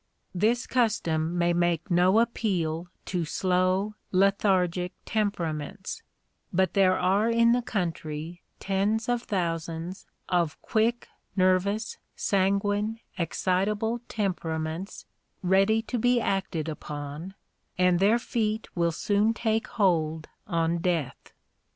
This custom may make no appeal to slow, lethargic temperaments, but there are in the country tens of thousands of quick, nervous, sanguine, excitable temperaments ready to be acted upon, and their feet will soon take hold on death.